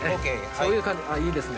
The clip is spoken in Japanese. そういう感じあっいいですね。